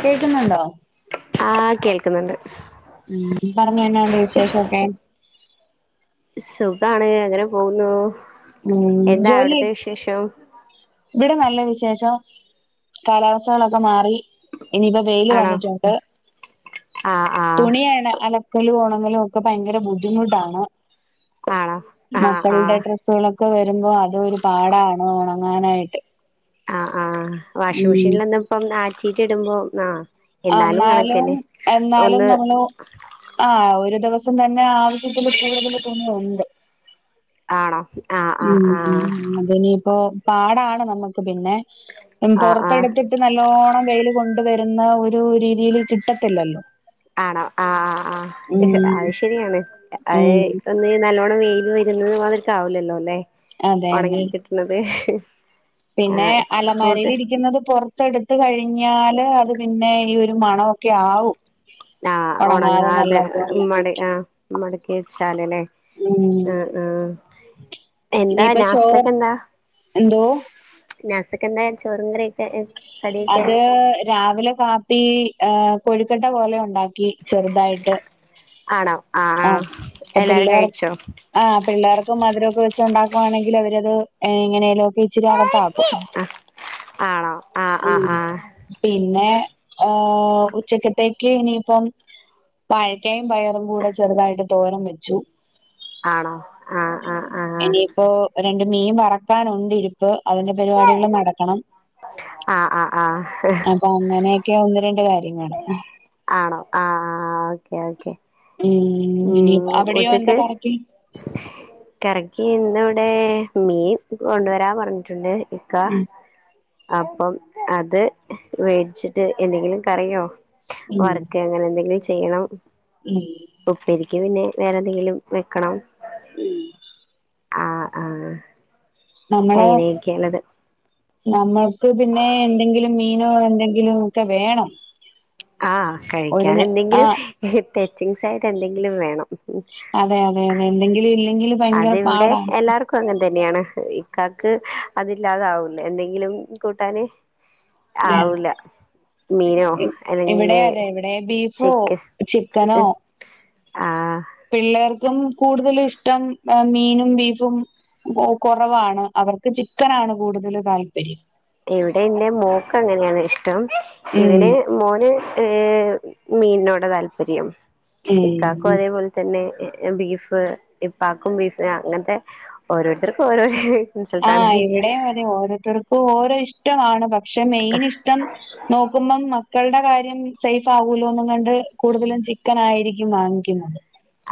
കേൾക്കുന്നുണ്ടോ? ആഹ് കേൾക്കുന്നുണ്ട് ഉം, പറഞ്ഞോ എന്ന ഒണ്ട് വിശേഷൊക്കെ? സുഖാണ് അങ്ങനെ പോകുന്നു ഉം എന്താ ജോലി അവിടത്തെ വിശേഷം? ഇവിടെ നല്ല വിശേഷം കാലാവസ്ഥകളൊക്കെ മാറി ഇനിയിപ്പോ വവെയില് ആണോ വന്നിട്ടുണ്ട്. ആഹ് ആഹ് തുണി അണ അലക്കലും ഓണങ്ങലും ഒക്കെ ഭയങ്കര ബുദ്ധിമുട്ടാണ്. ആണോ ആഹ് മക്കളുടെ ആഹ് ഡ്രെസ്സുകളൊ ക്കെ വരുമ്പോ അത്‌ ഒരു പാടാണ് ഉണങ്ങാനായിട്ട് ആഹ്, ആഹ് വാഷിങ് ഉം മെഷീനൽ ഒന്നും ഇപ്പം ആറ്റിട്ട് ഇടുമ്പോ ആഹ് എന്നാലും കണക്കന്നെ ഒന്ന് ആഹഹ് ഒരു ദിവസം തന്നെ ആവശ്യത്തിൽ കൂടുതൽ തുണിയുണ്ട്. ആണോ ആഹ് ആഹ് ഉം ഉം, ആഹ് അതനിയിപ്പോ പാടാണ് നമ്മക്ക് പിന്നെ ഉം ആഹ് ആഹ് പൊറത്തെടുത്ത് ട്ട് നല്ലോണം വെയില് കൊണ്ടുവെരുന്ന ഒരു രീതീല് കിട്ടത്തില്ലല്ലോ ആണോ ആഹ് ഉം ആഹ് അത് ശെരിയാണ് ഉം അത് ന്ന് നല്ലോണം വെയില് വരുന്നത് മാതിരിക്കാവൂലല്ലോ അല്ലെ അതെന്നെ ഉണങ്ങി കിട്ടണത്. പിന്നെ ആഹ് ഫുഡ് അലമാരേല് ഇരിക്കുന്നത് പുറത്തെടുത്ത് കഴിഞ്ഞാല് അത് പിന്നെ ഈ ഒരു മണൊവൊക്കെ ആവും. ആഹ് ഒണങ്ങാതെ ഉണങ്ങാതെ നല്ലപോലെ മട വെക്കുമ്പോ ആഹ് മടക്കി വച്ചാല് ലേ ഉം ആഹ് ആഹ് എന്താ ഇനിയിപ്പോ ചോറ് നാസ്ത്തെക്കെന്താ? എന്തോ നാസത്തേക്കെന്താ ചോറും കറീംക്കെ എ അത് രാവിലെ കാപ്പി ഏഹ് കൊഴുക്കട്ട പോലെ ഉണ്ടാക്കി ക്കി ചെറുതായിട്ട്, ആഹ് പ്പ എല്ലാരും പിള്ളേർ കഴിച്ചോ ആഹ് പിള്ളേർക്ക് മധുരോക്കെ വെച്ചുണ്ടാക്കുവാണെങ്കില് അവരത് എങ്ങനെേലും ഒക്കെ ഇച്ചിരി അകത്താക്കും. അഹ്, ആണോ ആഹ് ഉം, ആഹ് ആഹ് പിന്നെ ഏഹ് ഉച്ചക്കത്തേക്ക് ഇനിയിപ്പം വായ്ക്കയും പയറും കൂടെ ചെറുതായിട്ട് തോരംവെച്ചു. ആണോ ആഹ് ആഹ് ആഹ് ഇനിയിപ്പോ രണ്ട് മീൻ വറക്കാനുണ്ട് ഇരിപ്പ്, അതിന്റെ പരിപാടികൾ നടക്കണം ആഹ് ആഹ് ആഹ് അപ്പൊ അങ്ങനെയൊക്കെ ഒന്ന് രണ്ട് കാര്യംങ്ങള് ആണോ ആഹ് ആഹ് ഓക്കേ, ഓക്കെ ഉം ഇനി അവിടെയോ എന്താ കറിക്ക്? കറിക്കി ഇന്നിവിടെ മീൻ കൊണ്ടുവരാൻ പറഞ്ഞിട്ടുണ്ട്. ക്കാ, ഉം അപ്പം അത് വേടിച്ചിട്ട് എന്തെങ്കിലും കറിയോ ഉം വർക്കെ അങ്ങനെ എന്തെങ്കിലും ചെയ്യണം ഉം ഉപ്പേരിക്ക് പിന്നെ വേറെന്തെങ്കിലും വെക്കണം. ഉം ആഹ് ആഹ് നമ്മള്, അങ്ങനെയൊക്കെയാണത് നമ്മൾക്ക് പിന്നെ എന്തെങ്കിലും മീനോ എന്തെങ്കിലും ക്കെ വേണം ആഹ് ഒരു നേ ആ കഴിക്കാനെന്തെങ്കിലും ടെച്ചിങ്സായിട്ട് എന്തെങ്കിലും വേണം അതെ അതെ അതെ എന്തെങ്കിലും ഇല്ലെങ്കില് ഭയങ്കര പാടാണ് ക്കും അങ്ങനെതന്നെയാണ് ഇക്കാക്ക് അതില്ലാതാവൂല എന്തെങ്കിലും കൂട്ടാന് വേണം ആവൂല മീനോ ഇവിടെ അല്ലെങ്കില് അതെ ഇവിടെ ബീഫോ ചിക്ക ചിക്കനോ ചിക്ക് [unintelligible] ആഹ് പിള്ളേർക്കും കൂടുതലുഇഷ്ടം മീനും ബീഫും അ പ്പൊ അയ് കൊറവാണ് അവർക്ക് ചിക്കനാണ് കൂടുതല് താല്പര്യം ഇവിടെന്റെ മോക്ക് അങ്ങനെയാണ് ഇഷ്ടം ഉം ഇവന് മോന് ഈഹ് മീനിനോടാ താല്പര്യം ഇക്കാക്കും ഉം അതേപോലെ തന്നെ ബീഫ് ഇപ്പാക്കും ബീഫ് അങ്ങനത്തെ ഓരോരുത്തർക്കും ഓരോരെ [unintelligible] ആ ഇവിടെ അതെ ഓരോരുത്തർക്കും ഓരോ ഇഷ്ടമാണ് പക്ഷെ മെയിൻ ഇഷ്ടം നോക്കുമ്പം മക്കളുടെ കാര്യം സേഫ് ആവൂലോന്നും കണ്ട് കൂടുതലും ചിക്കൻ ആയിരിക്കും വാങ്ങിക്കുന്നെ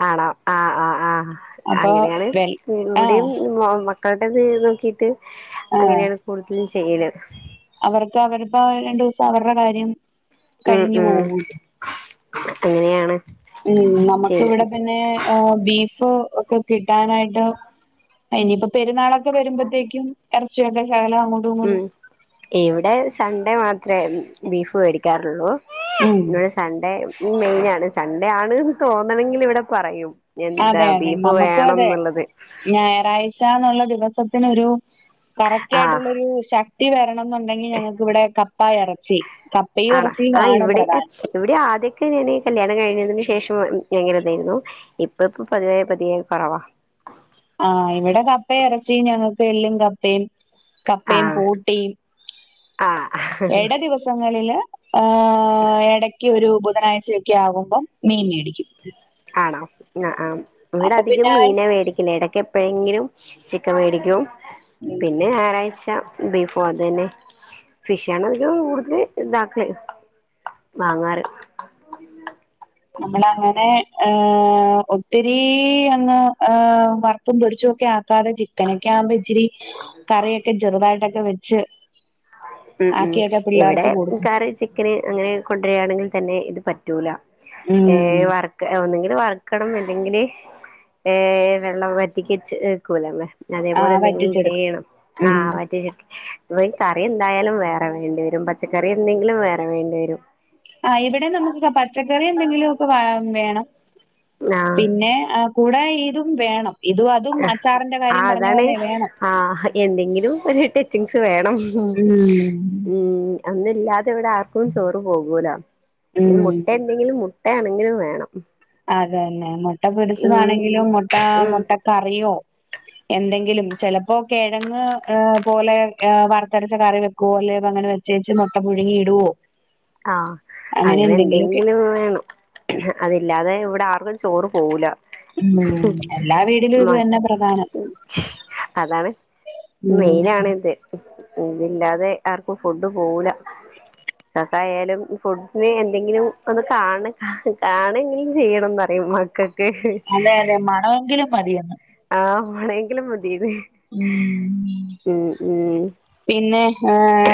ആണോ ആഹ് ആഹ് ആഹ് അപ്പൊ അങ്ങനെയാണ് വെൽ ആഹ് ഇവിടെയും മോ മ മക്കളുടെത് നോക്കിട്ട് ആഹ് അങ്ങനെയാണ് കൂടുതലും ചെയ്യല് അവർക്ക് അവരുപ്പോ രണ്ടൂസം അവരുടെ കാര്യം ഉം കഴിഞ്ഞു ഉം പോകൂല അങ്ങനെയാണ് ഉം നമുക്ക് ചെയ്യല് ഇവിടെ പിന്നെ ബീഫ് ഒക്കെ കിട്ടാനായിട്ട് ഇനിയിപ്പ പെരുന്നാളൊക്കെ വരുമ്പത്തേക്കും ഇറച്ചിയൊക്കെ ശകലംഅങ്ങോ ഉം ഇവിടെ സൺഡേ മാത്രമേ ബീഫ് വേടിക്കാറുള്ളൂ ഉം ഇവിടെ സൺഡേ മെയിൻ ആണ് സൺഡേ ആണ്ന്ന് തോന്നണെങ്കിൽ ഇവിടെ പറയും എന്താ അതെ അതെ ബീഫ് നമുക്കും വേണം അതെ എന്നുള്ളത് ഞായറാഴ് ച്ച എന്നുള്ള ദിവസത്തിനൊരു കറക്റ്റ് ആഹ് ആയിട്ടുള്ള ഒരു ശ ക്തി വരണം എന്നുണ്ടെങ്കിൽ ഞങ്ങൾക്ക്‌വിടെ കപ്പ ഇറച്ചി കപ്പയും ആണാ ഇറച്ചിയും ആഹ് ആണ് ഇവിടെ പ്രധാനം ഇവിടെ ആദ്യക്കെ ഞാന് കല്യാണം കഴിഞ്ഞതിനന് ശേഷം ഭയങ്കര ഇതേര്ന്നു ഇപ്പ ഇപ്പൊ പതിയേ പതിയേ കുറവാ ആഹ് ഇവിടെ കപ്പയും ഇറച്ചിയും, ഞങ്ങൾക്ക് എല്ലും കപ്പയും, കപ്പയും പൂട്ടിയും ആഹ് ആഹ് എട ദിവസങ്ങളില് ആഹ് എടക്ക് ഒരു ബുധനാഴ്ച ക്കെ ആകുമ്പം മീൻ മേടിക്കും ആണോ ആഹ് ആഹ് ഇവിട അപ്പൊ അധികം പിന്നെ മീന മേടി ക്കുന്നത് എടക്ക് എപ്പോഴെങ്കിലും ചിക്കൻ വേടിക്കും പിന്നെ ഞായറാഴ്ച ബീഫും അത് തന്നെ ഫിഷ് ആണ് അതിലും കൂടുതൽ ഇതാക്ക ഉം വാങ്ങാറ് നമ്മള് അങ്ങനെ ആഹ് ഒത്തിരി അങ്ങ് ആഹ് വർ ത്തും പൊരിച്ചൊക്കെ ആക്കാതെ ചിക്കനൊക്കെ ആവ്മ്പം ഇച്ചിരി കറിയൊക്കെ ചെറുതായിട്ടൊക്കെ വെച്ച് ഉം ഉം ആക്കിയൊക്കെ ഇവിടെ പിള്ളേർക്ക് കൊടുക്കും കറി ചി ക്കന് അങ്ങനെ കൊണ്ടെരാണെങ്കി തന്നെ ഇത് പറ്റൂല ഉം ഏഹ് വറക്ക് ഒന്നെങ്കിൽ വർ ക്കണം അല്ലെങ്കില് ഏഹ് വെള്ളം വറ്റിക് ച്ച് വെയ്ക്കുലേ [unintelligible] ആ അതേപോലെ എന്തെങ്കിലും വറ്റിച്ചെടുക്കും ചെയ്യണം ഉം ആഹ് വറ്റിച്ച് ഇവിടെ ക കറി എന്തായാലും വേറെ വേണ്ടി വരും പച്ചക്കറി എന്തെങ്കിലും വേറെ വേണ്ടിവരും ആഹ് ഇവിടെ നമുക്ക് പച്ചക്കറി എന്തെങ്കിലുക്കെ വേ വേണം ആഹ് പിന്നെ കൂടെ ഇതും വേണം ഇതും അതും അച്ചാറിന്റെ കാര്യം ആഹ് പറഞ്ഞ അതാണ് പോലെ വേണം ആഹ് എന്തെങ്കിലും ഒരു ടച്ചിങ്സ് വേണം ഉം ഉം ഒന്നില്ലാതെ ഇവിടെ ആർക്കും ചോറ് പോകൂല മു ഉം ട്ട എന്തെങ്കിലും മുട്ട ആണെങ്കിലും വേണം അത് തന്നെ മുട്ട ഉം പൊരിച്ചതാണെങ്കിലും മുട്ട ഉം മുട്ട കറിയൊ എന്തെങ്കിലും ചിലപ്പോ കിഴങ്ങ് ഇഹ് പോലെ വറ്ത്തരച്ച കറി പോലെ അതങ്ങനെ വെച്ചേച്ച് മൊട്ട പുഴുങ്ങി ഇടുവോ ആഹ് അങ്ങനെ എന്തെങ്കിലും വേണം അതില്ലാതെ ഇവിടെ ആർക്കും ചോറ് പോവുലാ ഉം എല്ലാ വീടിലും ഇത് മ തന്നെ പ്രധാനം അതാണ് ഉം മെയിൻ ആണ്‌ ഇത്. ഇത് ഇല്ലാതെ ആർക്കും ഫുഡ് പോവുല്ലാ രക്കായാലും ഫുഡ്ന് എന്തെങ്കിലും ഒന്ന് കാണ കാണെങ്കിലും ചെയ്യണം നറ്യൻമക്കക് ക്ക് മണ്വാങ്കിലും മതിയെന്ന് ആഹ് മണേങ്കിലും മതീന്ന് ഉം ഉം ഉം പിന്നെ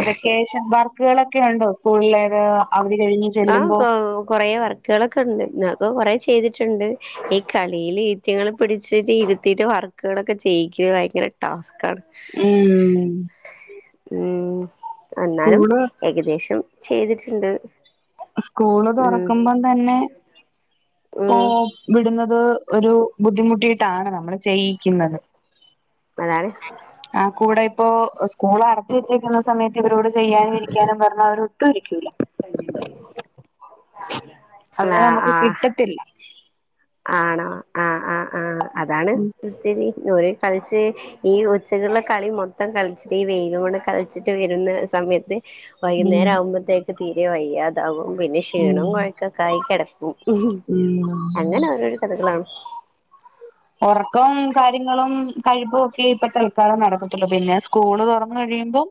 വെക്കേഷൻ പാർക്കുകളൊക്കെ ഉണ്ടോ സ്കൂളിലേത് അവധി കഴിഞ്ഞ് ആഹ് ചെല്ലുമ്പോ കൊ കൊറേ വർ ക്ക് ളെക്കെ ഉണ്ട്. ന്നാക് കൊറേ ചെയ്തിട്ടുണ്ട്. ഈ കളിയിൽ ഇറ്റങ്ങളേ പിടിച്ചിട്ട് ഇരുത്തീട്ട് വർക്ക് ക്ക്ളക്കെ ചെയ്യിക്ക്ന്ന ഭയങ്കര ടാസ്കാണ് ഉം ഉം എന്നാലും സ്കൂള് ഏകദേശം ചെയ്തിട്ട്ണ്ട്. സ്കൂള് തൊറക്കുമ്പം തന്നെ ഉം ഏഹ് വിടുന്നത് ഒരു ബുദ്ധിമുട്ടിട്ടാണ് നമ്മള് ചെയ്യിക്കുന്നത് അതാണ്. ആഹ് കൂടെ ഇപ്പോ സ്കൂള് അടച്ച വെച്ചിക്കുന്ന സമയത്ത് ഇവരോട് ചെയ്യാനും ഇരിക്കാനും പറഞ്ഞ അവര് കയിക്കൂല്ലാ അവരെ ന്നാഹ് നമുക്ക് ആഹ് കിട്ടത്തില്ല ആണോ ആഹ് ആഹ് ആഹ് അതാണ് ഉം സ്ഥിതി ഓല് കളിച്ച് ഈ ഉച്ച്യക്ക്ള്ളാ കളി മൊത്തം കളിച്ചിട്ട് ഈ വെയില് കൊണ്ട് കളിച്ചിട്ട് വെര്ന്നാ സമയത്ത് വൈകുന്നരം ആവുമ്പൊ ത്തേക്ക് തീരെ വയ്യാ ഇതാകും പിന്നെ ഉം ക്ഷീണം കൊഴൊക്കെ ആയി കെടക്കും. ഉം അങ്ങനെ ഓരോരോ കഥകളാണ്. ഒറക്കവും കാര്യങ്ങളും കഴിപ്പ് ഒക്കെ ഇപ്പ തല്ക്കാലം നടക്കത്തൊള് പിന്നെ സ്കൂള് തൊറന്ന് കഴിയ്മ്പം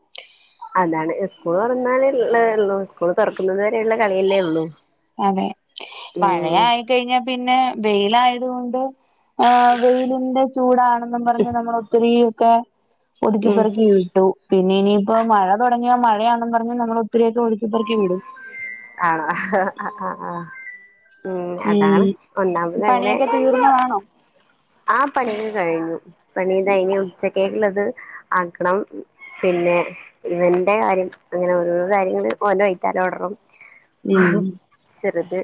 അതാണ് സ്കൂള് തൊറന്നാല് ഒള്ള ഒള്ളൂ സ്കൂള് തൊറക്ക്ന്നത് വേരെയോള്ള കളിയല്ലേ ഒള്ളൂ. അതെ പഴയെ ആയി കയിഞ്ഞാ പിന്നെ വെയിലായത് കൊണ്ടും ആഹ് വെയിലിന്റെ ചൂടാണ് എന്നും പറഞ്ഞ് നമ്മള് ഒത്തിരി ഒക്കെ ഉം ഒതുക്കിപ്പറക്കി വിട്ടു. പിന്നെ ഇനി ഇപ്പോം മഴ തൊടങ്ങിയ മഴയാന്ന് പറഞ്ഞും നമ്മള് ഒത്തിരി ഒക്കെ ഒത്ക്കിപ്പറക്കി വിടും ആണോ ആഹ് ആഹ് ഉം അതാണ് ഉം ഒന്നാമത് അങ്ങനെ പണിയൊക്കെ തീർന്നതാണോ? ആഹ് പണിക്കെ കഴിഞ്ഞു പണിയിതാ ഇനി ഉച്ചക്കേക്ക് ഇള്ളത് ആക്കണം. പിന്നെ ഇവന്റെ കാര്യം അങ്ങനെ ഓരോരോ കാര്യങ്ങള് ഓന്റെ വൈത്തേ ലോട്ണം. ഉം ചെറുത്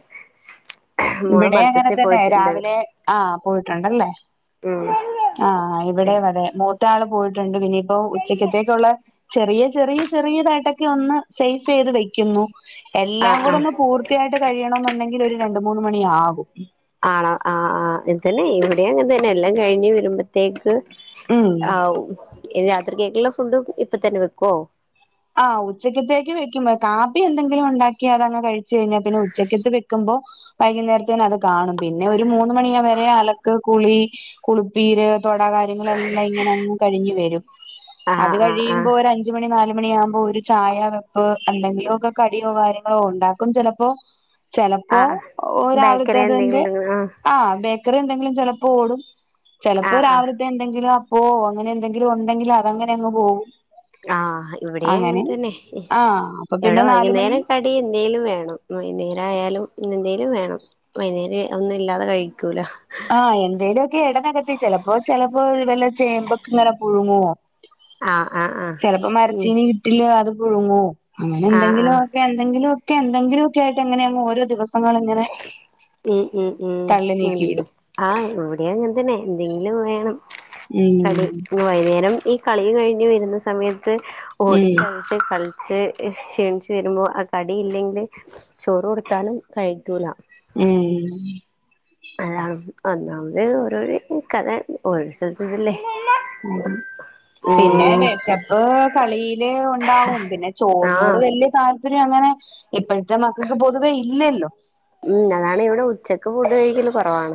ഇ മോള് ബെടെ അങ്ങനെ മദ്രസേ തന്നെ പോയിട്ടുണ്ട് രാവിലെ ആഹ് പോയിട്ടുണ്ട് അല്ലേ. ഉം ആഹ് ഇവടെ അതേ മോത് ത്താള് പോയിട്ട് ഉണ്ട് പിന്നെയിപ്പോ ഉച്ചക്കത്തേക്കോള്ളെ ചെറിയ ചെറിയ ചെറിയതായിട്ടാ ഒന്ന് സേയ്ഫ് ചെയ്ത് വെയ്ക്കുന്നു. എല്ലാം ആഹ് കുടെ ആഹ് ഒന്ന് പൂർത്തിയായിട്ട് കയിയണം എന്ന് ഒണ്ടാങ്കി ഒര് രണ്ട് രണ്ട് മൂന്ന് മണിയാകും. ആണൊ ആഹ് ആഹ് ഇത് തന്നെ ഇവടെയും അങ്ങനെ തന്നെ എല്ലാം കഴിഞ്ഞ് വര്മ്പേ തേക്ക് ഉം ആവു. രാത്രി കേക്ക്ള്ളാ ഫുഡും ഇപ്പം തന്നെ വെക്കോ. ആഹ് ഉച്ചക്ക്യത്തേക്ക് വെക്കുമ്പെ കാപ്പി എന്തെങ്കിലും ഒണ്ടാക്കി അത് അങ്ങ് കഴി ച്ച് കഴിഞ്ഞാ പിന്നെ ഉച്ചക്ക്യെത്ത് വെക്ക്മ്പോ വൈകുന്നേരത്തേന് അത് കാണും. പിന്നെ ഒരു മൂന്ന് മണിയാ വെരെ അലക്ക് കുളി കുളുപ്പീര് തൊട കാര്യങ്ങളെല്ലാം ഇങ്ങനെ അങ്ങ് കയിഞ്ഞ് വെരും ആഹ് അത് ആഹ് ആഹ് കയിമ്പോ ഒര് അഞ്ച് മണി നാല മണിയവ്മ്പോ ഒര് ചായ വെപ്പ് എന്തെങ്കിലും ഒക്കെ കടിയോ കാര്യങ്ങളോ ഒണ്ടാക്കും ചെലപ്പോ. ചെലപ്പോ ആഹ് ബേക്കറി [unintelligible] എന്തെങ്കിലും ആഹ് ബേക്കറി എന്തെങ്കിലും ചെലപ്പോ ഓടും ചെലപ്പോ ആഹ് ആഹ് രാവിലത്തെ എന്ന എന്തെങ്കിലും അപ്പോ അങ്ങനെ എന്തെലും ഒണ്ടെങ്കി അങ്ങനെ അങ്ങ് പോകും ആഹ് ഇവടെയും അങ്ങനെ തന്നെ ആഹ് അപ്പൊ ഇവടെ പിന്നെ നാലുമണി വൈന്നേരം ക എന്തൊലും വേണം വൈക്ന്നേരം ആയാലും ഇന്ന് എന്തേലും വേണം [unintelligible] ഇല്ലാതെ കയിക്കൂല്ലാ ആഹ് എന്തേലും ഓക്കെ [unintelligible] ചെലപ്പോ ചെലപ്പോ വല്ലാ ചേമ്പക്കേ ഇങ്ങനെ പുഴുങ്ങുവോ ആഹ് ആഹ് ആഹ് ചെലപ്പോ ഉം മരച്ചീനി കിട്ടില്ലന്നാ അത് പുഴുങ്ങും അങ്ങനെ എന്തെങ്കിലും ആഹ് എന്തെങ്കിലും ഒക്കെ എന്തെങ്കിലും ഒക്കെ ആയിട്ട് എങ്ങനെയാ ഓരേ ദിവസങ്ങള് ഇങ്ങനെ ഉം ഉം ഉം തള്ളി നീക്കി ഇല്ലാ വിടും ആഹ് ഇവടെ അങ്ങനെ തന്നെ എന്തെങ്കിലും വേണം ഉം കളി വൈന്നേരം ഈ കളി കഴിഞ്ഞ് വെര്ന്നാ സമയത്ത് ഓടി ഉം കളിച്ച് ക്ഷിണിച്ച് വെര്മ്പോ ആഹ് കടിയില്ലെങ്കി ചോറ് കൊട്ത്താലും കഴി ക്കുല്ലാ ഉം [unintelligible] [unintelligible] ഉം [unintelligible] കളില് ഒണ്ടാവും പിന്നെ ചോറിനോട് ആഹ് വല്ല്യയാ താല്പര്യം അങ്ങനെ ഇപ്പോഴത്തെ മക്കക്ക് പൊതുവേ ഇല്ല അല്ലോ ഉം അതാണ് ഇവടെ ഉച്ചക്ക് ഫുഡ് കയില് കൊറവാണ്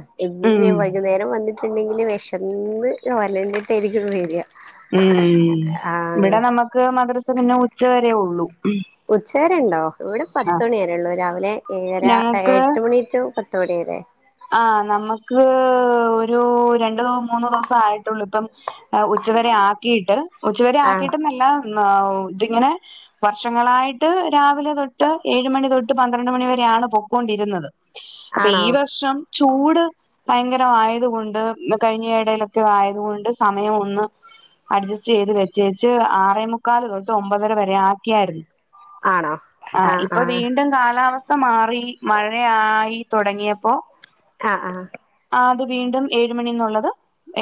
ഉം [unintelligible] വൈന്നേരം വന്ന് [unintelligible] വേഷന്ന് വലാഞ്ഞ്ട്ടായിരിക്കും വെരിക്യാ ഉം ഇവിടെ നമുക്ക് മദ്രസ പിന്നെ ഉച്ച വരേ ഉള്ളൂ. ഉച്ച വരെണ്ടോ ഇവിടെ ആ പത്തുമണി വരെ ഉള്ളൂ രാവിലെ ഏഴര ഞങ്ങക്ക് എട്ട് മണി ടു പ തുടരെ ആഹ് നമുക്ക് ഒരു രണ്ടു മൂന്നോ ദിവസ ആയിട്ടുള്ളൂ ഇപ്പം ഉച്ചുവരെ ആക്കിയിട്ട് ഉച്ചവരെ ആണോ ആക്കിയിട്ട്ന്നെല്ലാം ഇതിങ്ങനെ വർഷങ്ങളായിട്ട് രാവിലെ തൊട്ട് ഏഴ് മണി തൊട്ട് പന്ത്രണ്ട് മണിവരെയാണ് പൊക്കൊണ്ടിരുന്നത്. അപ്പൊ ആണോ ഈ വർഷം ചൂട് ഭയങ്കര ആയതുകൊണ്ട് കഴിഞ്ഞ ഇടയിലൊക്കെ ആയതുകൊണ്ട് സമയം ഒന്ന് അഡ്ജസ്റ്റ് ചെയ്ത് വെച്ചേച്ച് ആറേമുക്കാൽ തൊട്ട് ഒമ്പതര വരെ ആക്കിയായിരുന്നു. ആണോ ആഹ് ഇപ്പൊ വീണ്ടും കാലാവസ്ഥ വസ്ഥ മാറി മഴയായി തുടങ്ങിയപ്പോ ആഹ് ആഹ് ആഹ് അത് വീണ്ടും ഏഴ് മണിന്നുള്ളത്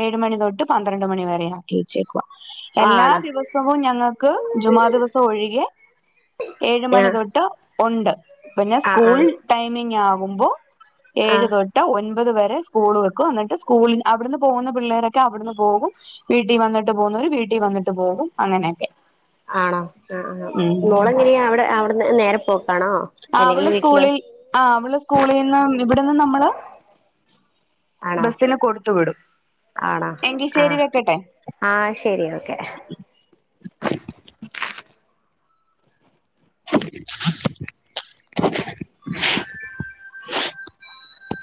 ഏഴ് മണി തൊട്ട് പന്ത്രണ്ട് മണി വരെയാണ്. തീച്ചക്കവ എല്ലാ ആണോ ദിവസവും ഞങ്ങൾക്ക് ജുമാ ദിവസം ഒഴികെ ഏഴ് മണി ആഹ് തൊട്ട് ഉണ്ട് പിന്നെ ആഹ് സ്കൂൾ ആഹ് ടൈമിങ് ആകുമ്പോ ആഹ് ഏഴുതൊട്ട് ഇട്ട ഒൻപത് വരെ സ്കൂൾ വെക്കും എന്നിട്ട് സ്കൂളിൽ അവിടുന്ന് പോകുന്ന പിള്ളേരൊക്കെ അവിടുന്ന് പോകും. വീട്ടിൽ വന്നിട്ട് പോകുന്നര് വീട്ടിൽ വന്നിട്ട് പോകും അങ്ങനെയൊക്കെ ആണോ ആഹ് ആഹ് ഉം മോളെങ്ങനെയ അവിടെ അവിടെന്ന് നേരെ പോക്കാണോ. ആഹ് അല്ലെങ്കിൽ അവള് വീട്ടിലോ സ്കൂളിൽ ആഹ് അവള് സ്കൂളിൽ നിന്ന് ഇവിടെന്ന് നമ്മള് ആണോ ബസിന് കൊടുത്തു വിടും ആണോ എങ്കിശേരി ആഹ് വെക്കട്ടെ ആഹ് ശരി ഓക്കെ [inaudible]